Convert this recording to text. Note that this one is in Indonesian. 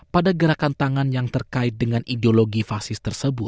pada gerakan tangan yang terkait dengan ideologi fasal